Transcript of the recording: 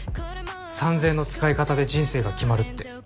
「三千円の使いかたで人生が決まる」って。